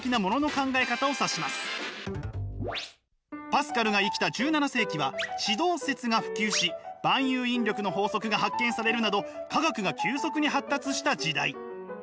パスカルが生きた１７世紀は地動説が普及し万有引力の法則が発見されるなど科学が急速に発達した時代。